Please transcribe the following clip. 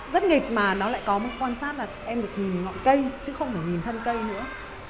rất nghịt mà nó lại có một quan sát là em được nhìn ngọn cây chứ không phải nhìn thân cây nữa